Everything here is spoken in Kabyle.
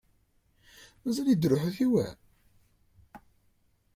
Mazal yedder uḥitaw-a?